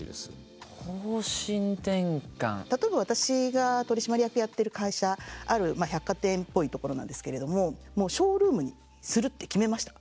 例えば私が取締役やってる会社ある百貨店っぽいところなんですけれどもショールームにするって決めました。